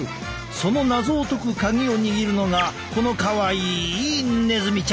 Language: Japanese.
その謎を解く鍵を握るのがこのかわいいネズミちゃん。